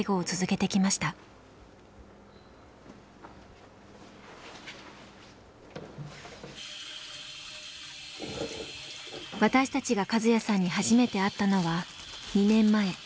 私たちがカズヤさんに初めて会ったのは２年前４１歳の時でした。